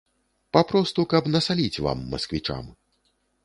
Папросту каб насаліць вам, масквічам.